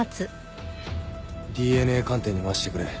ＤＮＡ鑑定に回してくれ。